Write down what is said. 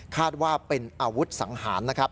คาดว่าเป็นอาวุธสังหาร